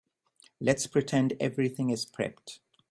Let's pretend everything is prepped.